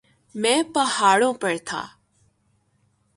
. میں پہاڑوں پر تھا.